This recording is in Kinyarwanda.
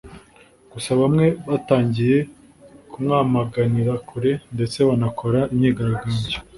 gusa bamwe batangiye kumwamaganira kure ndetse banakora imyigaragambyo